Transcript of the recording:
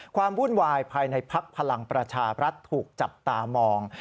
วุ่นวายภายในภักดิ์พลังประชาบรัฐถูกจับตามอง